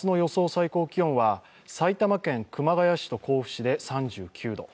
最高気温は埼玉県熊谷市と甲府市で３９度。